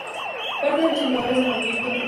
Parte de los fundadores del movimiento Pachakutik.